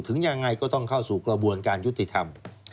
ยังไงก็ต้องเข้าสู่กระบวนการยุติธรรม